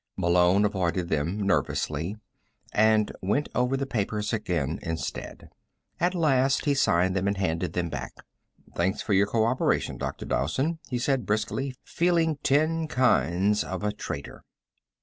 Malone avoided them nervously, and went over the papers again instead. At last he signed them and handed them back. "Thanks for your co operation, Dr. Dowson," he said briskly, feeling ten kinds of a traitor.